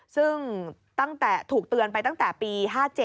ซึ่งถูกเตือนไปตั้งแต่ปี๑๙๕๗